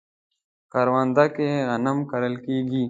کرونده کې غنم کرل کیږي